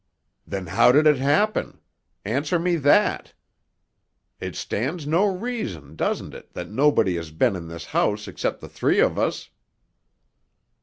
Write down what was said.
"Then how did it happen? Answer me that! It stands to reason, doesn't it, that nobody has been in this house except the three of us?"